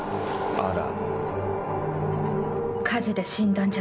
あら。